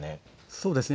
そうですね。